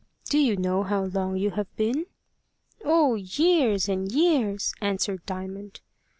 Do you know how long you have been?" "Oh! years and years," answered Diamond.